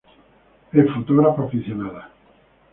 Es fotógrafa aficionada.